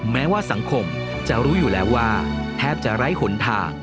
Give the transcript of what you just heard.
แม้ว่าสังคมจะรู้อยู่แล้วว่าแทบจะไร้หนทาง